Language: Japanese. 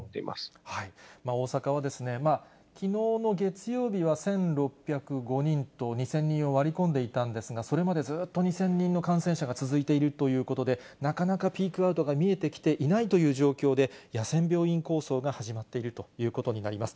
大阪は、きのうの月曜日は１６０５人と、２０００人を割り込んでいたんですが、それまでずっと２０００人の感染者が続いているということで、なかなかピークアウトが見えてきていないという状況で、野戦病院構想が始まっているということになります。